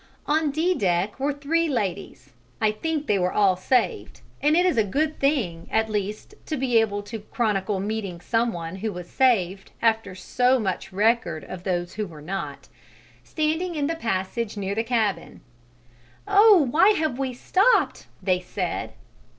On D deck were three ladies I think they were all saved, and it is a good thing at least to be able to chronicle meeting some one who was saved after so much record of those who were not standing in the passage near the cabin. "Oh! why have we stopped?" they said.